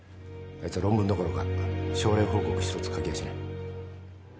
あいつは論文どころか症例報告ひとつ書けやしない。